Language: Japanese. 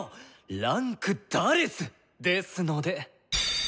位階「４」ですので！